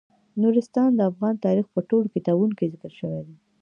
نورستان د افغان تاریخ په ټولو کتابونو کې ذکر شوی دی.